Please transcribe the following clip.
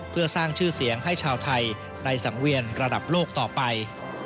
เพื่อสร้างชื่อเสียงให้ชาวไทยในสังเวียนระดับโลกต่อไป